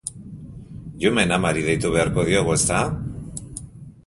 Llumen amari deitu beharko diogu, ezta?